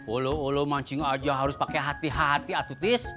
oloh oloh mancing aja harus pakai hati hati atutis